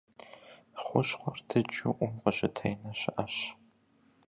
Хущхъуэр дыджу Ӏум къыщытенэ щыӏэщ.